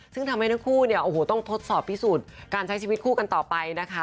ซึ่งทำให้ทั้งคู่เนี่ยโอ้โหต้องทดสอบพิสูจน์การใช้ชีวิตคู่กันต่อไปนะคะ